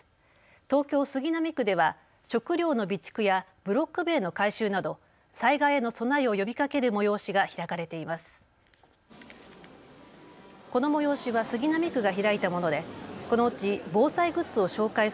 東京杉並区では食料の備蓄やブロック塀の改修など災害への備えを呼びかける催しが開かれています。